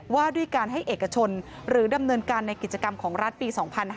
ว่าด้วยการให้เอกชนหรือดำเนินการในกิจกรรมของรัฐปี๒๕๕๙